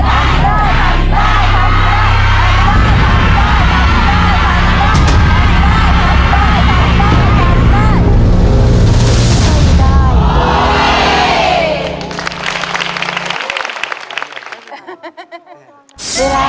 ภาษาทำได้หรือไม่ได้ครับ